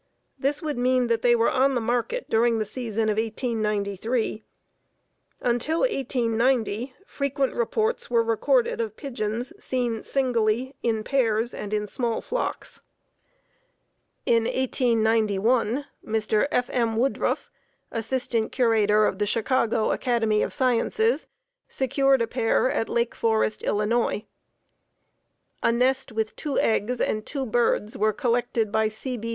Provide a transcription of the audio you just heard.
This would mean that they were on the market during the season of 1893. Until 1890 frequent reports were recorded of pigeons seen singly, in pairs and in small flocks. In 1891 Mr. F. M. Woodruff, Assistant Curator of the Chicago Academy of Sciences, secured a pair at Lake Forest, Ill. A nest with two eggs and two birds were collected by C. B.